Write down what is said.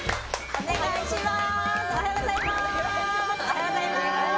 お願いします！